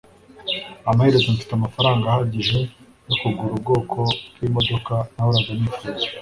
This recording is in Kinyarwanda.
amaherezo mfite amafaranga ahagije yo kugura ubwoko bwimodoka nahoraga nifuza